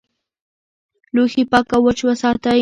لوښي پاک او وچ وساتئ.